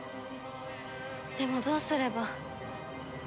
でもどうすれば？